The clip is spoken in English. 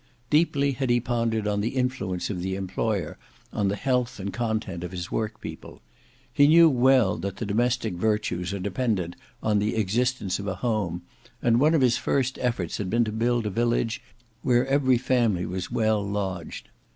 Deeply had he pondered on the influence of the employer on the health and content of his workpeople. He knew well that the domestic virtues are dependent on the existence of a home, and one of his first efforts had been to build a village where every family might be well lodged.